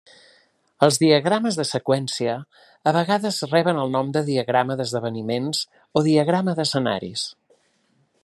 Els diagrames de seqüència a vegades reben el nom de diagrama d'esdeveniments o diagrama d'escenaris.